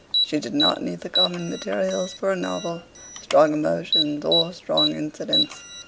She did not need the common materials for a novel, strong emotions, or strong incidents.'